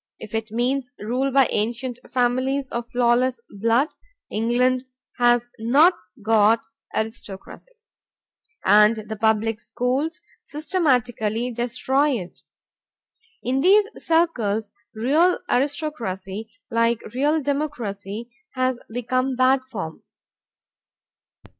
If it means rule by ancient families or flawless blood, England has not got aristocracy, and the public schools systematically destroy it. In these circles real aristocracy, like real democracy, has become bad form.